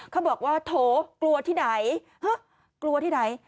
เขาบอกว่าโถกลัวที่ไหนฮะกลัวที่ไหน